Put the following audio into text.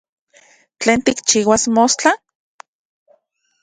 ¿Tlen tikchiuas mostla?